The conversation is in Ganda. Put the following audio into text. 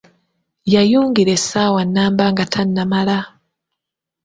Yayungira essaawa nnamba nga tanamala!